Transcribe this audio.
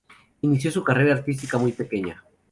Inició su carrera artística muy pequeña.